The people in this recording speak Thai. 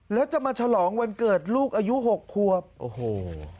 และจะมาฉลองวันเกิดลูกอายุ๖ควร